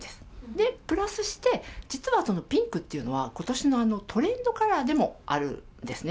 で、プラスして、実はピンクっていうのは、ことしのトレンドカラーでもあるんですね。